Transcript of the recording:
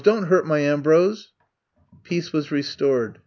Don 't hurt my Ambrose !*' Peace was restored.